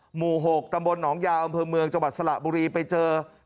หมู่๖ตำบลหนองยาวอำเภอเมืองจังหวัดสระบุรีไปเจอ